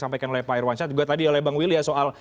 sampaikan oleh pak irwansyah juga tadi oleh bang will ya soal